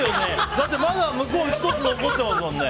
だってまだ向こう１つ残ってますもんね。